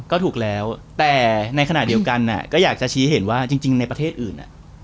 ก็ถูกแล้วแต่ในขณะเดียวกันก็อยากจะชี้เห็นว่าจริงในประเทศอื่น